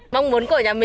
mong muốn cổ vũ